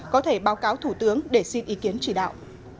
có thể báo cáo thủ tướng để xin ý kiến chỉ đạo